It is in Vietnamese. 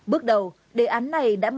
bước đầu đề án này đã bắt đầu diễn ra